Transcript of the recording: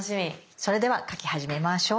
それでは描き始めましょう。